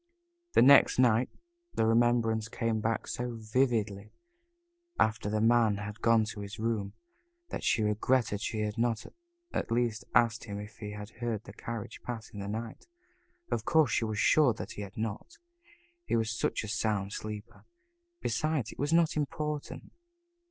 The next night the remembrance came back so vividly after the Man had gone to his room, that she regretted she had not at least asked him if he had heard a carriage pass in the night. Of course she was sure that he had not. He was such a sound sleeper. Besides, it was not important.